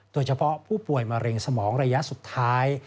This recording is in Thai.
โดยเฉพาะผู้ป่วยมะเร็งสมองระยะสุดท้าย